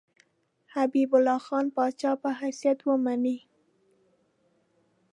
حبیب الله خان پاچا په حیث ومني.